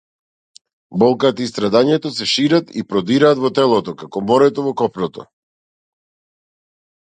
Болката и страдањето се шират и продираат во телото, како морето во копното.